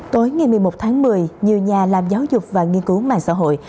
tối ngày một mươi một tháng một mươi nhiều nhà làm giáo dục và nghiên cứu mạng xã hội